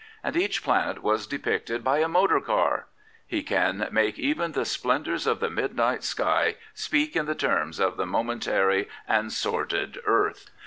And each planet was depicted by a motor carl He can make even the splendours of the midnight sky speak in the terms of the momentary and sordid earth.